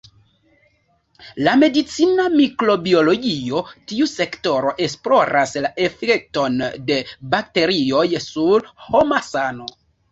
La medicina mikrobiologio: Tiu sektoro esploras la efekton de bakterioj sur homa sano.